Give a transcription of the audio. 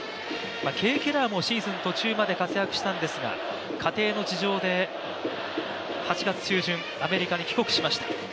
その選手もシーズン途中まで活躍したんですが家庭の事情で８月中旬、アメリカに帰国しました。